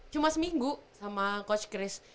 cuma seminggu sama coach chris